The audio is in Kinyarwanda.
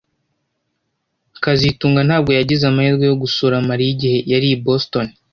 kazitunga ntabwo yagize amahirwe yo gusura Mariya igihe yari i Boston